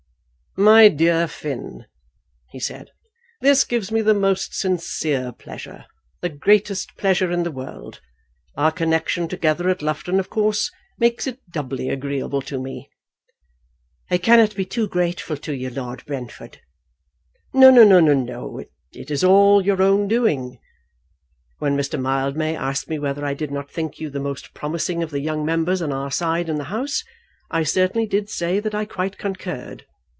"My dear Finn," he said, "this gives me the most sincere pleasure, the greatest pleasure in the world. Our connection together at Loughton of course makes it doubly agreeable to me." "I cannot be too grateful to you, Lord Brentford." "No, no; no, no. It is all your own doing. When Mr. Mildmay asked me whether I did not think you the most promising of the young members on our side in your House, I certainly did say that I quite concurred.